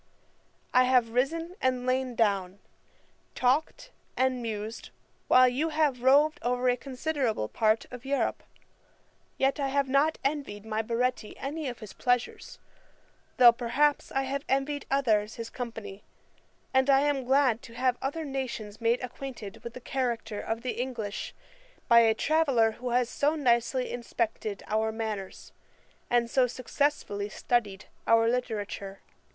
I have risen and lain down, talked and mused, while you have roved over a considerable part of Europe; yet I have not envied my Baretti any of his pleasures, though, perhaps, I have envied others his company: and I am glad to have other nations made acquainted with the character of the English, by a traveller who has so nicely inspected our manners, and so successfully studied our literature.